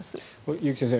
結城先生